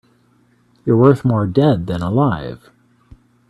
You're worth more dead than alive.